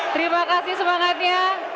terima kasih semangatnya